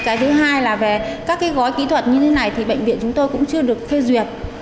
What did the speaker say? cái thứ hai là về các cái gói kỹ thuật như thế này thì bệnh viện chúng tôi cũng chưa được phê duyệt